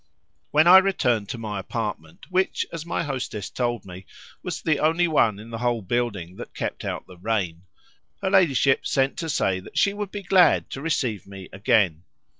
When I returned to my apartment (which, as my hostess told me, was the only one in the whole building that kept out the rain) her ladyship sent to say that she would be glad to receive me again.